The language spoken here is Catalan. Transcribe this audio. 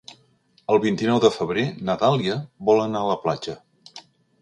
El vint-i-nou de febrer na Dàlia vol anar a la platja.